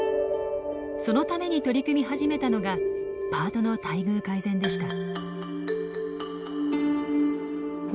そのために取り組み始めたのがパートの待遇改善でした。